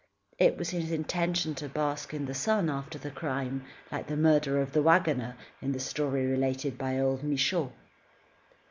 It was his intention to bask in the sun, after the crime, like the murderer of the wagoner, in the story related by old Michaud.